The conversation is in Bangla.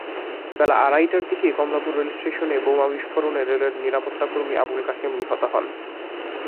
বেলা আড়াইটার দিকে কমলাপুর রেলস্টেশনে বোমা বিস্ফোরণে রেলওয়ের নিরাপত্তাকর্মী আবুল কাশেম নিহত হন।